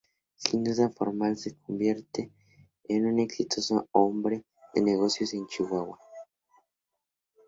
Sin educación formal, se convierte en un exitoso hombre de negocios en Chihuahua.